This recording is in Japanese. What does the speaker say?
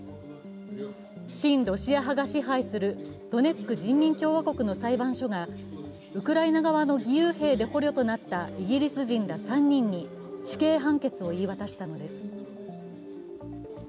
親ロシア派が支配するドネツク人民共和国の裁判所がウクライナ側の義勇兵で捕虜となったイギリス人ら３人に死刑判決を言い渡したのです。